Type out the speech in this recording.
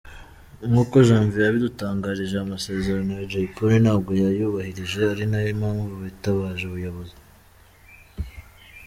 Nkuko Janvier yabidutangarije, aya masezerano Jay Polly ntabwo yayubahirije ari nayo mpamvu bitabaje ubuyozi.